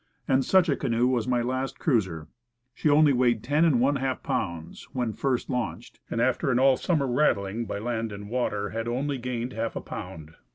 And such a canoe was my last cruiser. She only weighed ten and one half pounds when first launched, and after an all summer rattling by land and water had only gained half a pound.